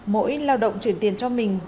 mỗi lao động chuyển tiền cho mình